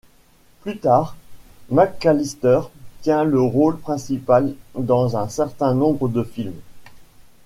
Plus tard, McCallister tient le rôle principal dans un certain nombre de films.